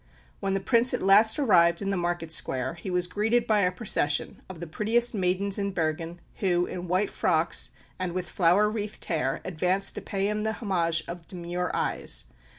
When the Prince at last arrived in the market square, he was greeted by a procession of the prettiest maidens in Bergen who, in white frocks and with flower wreathed hair, advanced to pay him the homage of demure eyes.